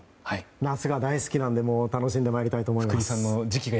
夏が大好きなので楽しんでまいりたいと思います。